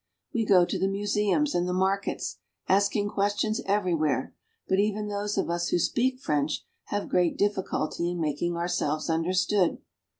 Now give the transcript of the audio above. We go to the museums and the markets, asking questions everywhere, but even those of us who speak French have great difficulty in making ourselves understood.